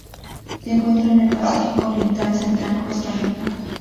Se encuentra en el Pacífico oriental central: Costa Rica.